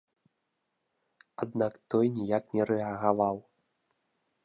Аднак той ніяк не рэагаваў.